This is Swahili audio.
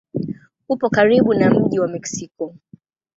Upo karibu na mji wa Meksiko.